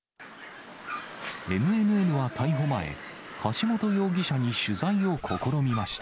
ＮＮＮは逮捕前、橋本容疑者に取材を試みました。